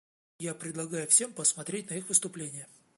Я предлагаю всем посмотреть на их выступление.